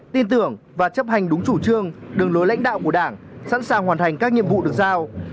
tin tưởng và chấp hành đúng chủ trương đường lối lãnh đạo của đảng sẵn sàng hoàn thành các nhiệm vụ được giao